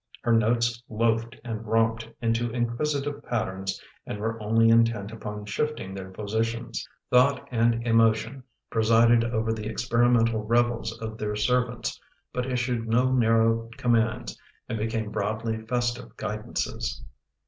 Her notes loafed and romped into inquisitive patterns and were only intent upon shifting tlu*ir jjositions. Thought and emotion presided over the t*xjKTimt*ntal revels of their servants but issued no narrow command* and became broadly festive guidances.